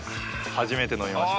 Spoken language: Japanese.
初めて飲みました。